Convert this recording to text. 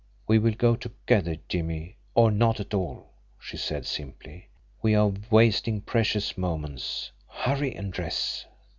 "We will go together, Jimmie or not at all," she said simply. "We are wasting precious moments. Hurry and dress!"